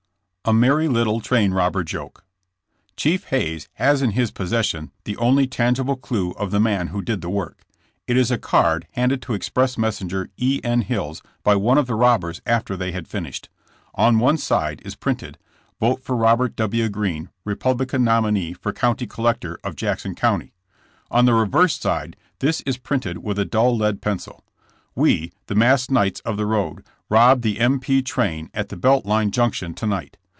A MERRY LITTLE TRAIN ROBBER JOKE. Chief Hayes has in his possession the only tangi ble clue of the man who did the work. It is a card handed to Express Messenger E. N. Hills by one of the robbers after they had finished. On one side is printed: ^'Vote for Robert W. Green, Republican nominee for county collector of Jackson County. '* On the reverse side this is printed with a dull lead pencil : We, the masked knights of the road, robbed the M. P. train at the Belt Line junction to night.